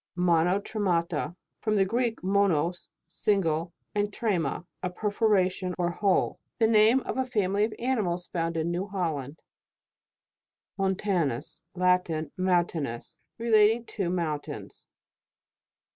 MONOTREMATA. From the Greek, mo wos, single, and trema, a perforation or hole. The name of a family of animals found in New Holland. (See page 96.) MONTANUS. Laiin. Mountainous. Re lating to mountains.